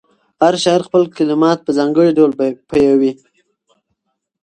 هر شاعر خپل کلمات په ځانګړي ډول پیوياي.